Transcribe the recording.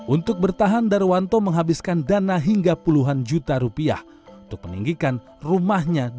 untuk bertahan darwanto menghabiskan dana hingga puluhan juta rupiah untuk meninggikan rumahnya